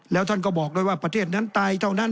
แล้วท่านก็บอกด้วยว่าประเทศนั้นตายเท่านั้น